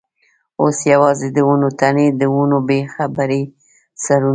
اوس یوازې د ونو تنې، د ونو بېخه برې سرونه.